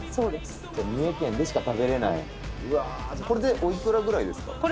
これでお幾らぐらいですか？